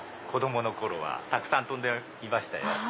子供の頃はたくさん飛んでいましたよ。